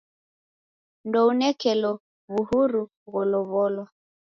Ndounekelo w'uhuru gholow'olwa.